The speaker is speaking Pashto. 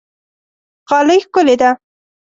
غالۍ ښکلې ده.